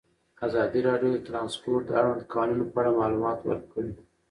ازادي راډیو د ترانسپورټ د اړونده قوانینو په اړه معلومات ورکړي.